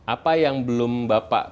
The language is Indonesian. apa yang belum bapak